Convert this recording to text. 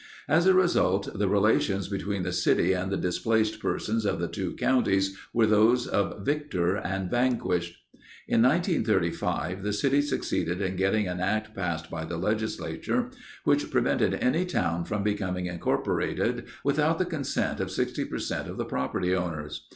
As a result, the relations between the city and the Displaced Persons of the two counties were those of victor and vanquished. In 1935 the city succeeded in getting an act passed by the legislature which prevented any town from becoming incorporated without the consent of 60 per cent of the property owners.